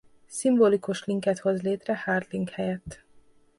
Szimbolikus linket hoz létre hard link helyett.